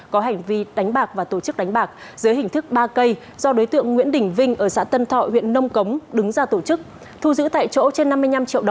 có hành vi đánh bạc và tổ chức đánh bạc dưới hình thức ba k do đối tượng nguyễn đình vinh